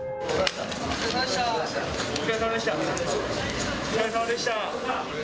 お疲れさまでした。